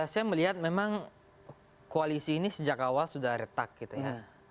saya melihat memang koalisi ini sejak awal sudah retak gitu ya